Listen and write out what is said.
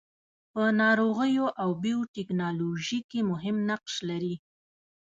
په ناروغیو او بیوټیکنالوژي کې مهم نقش لري.